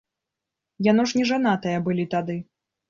Яно ж нежанатыя былі тады?